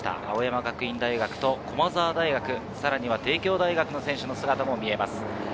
青山学院大学と駒澤大学、さらには帝京大学の選手の姿も見えます。